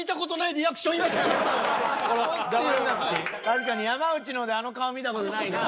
確かに山内のであの顔見た事ないな。